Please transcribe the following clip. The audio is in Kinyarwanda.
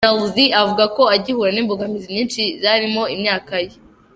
Gerlzy avuga ko agihura n’imbogamizi nyinshi zirimo imyaka ye.